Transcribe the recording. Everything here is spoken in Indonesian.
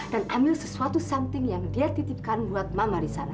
dan ambil sesuatu yang dia titipkan buat mama di sana